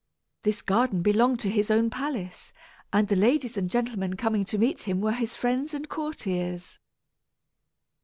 This garden belonged to his own palace, and the ladies and gentlemen coming to meet him were his friends and courtiers.